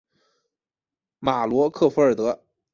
马罗克弗尔德。